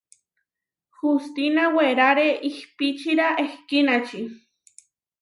Hustína weráre ihpičira ehkínači.